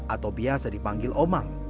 atau biasa dipanggil omang